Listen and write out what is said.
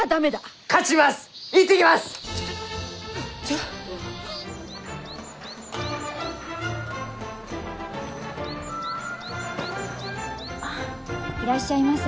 あいらっしゃいませ。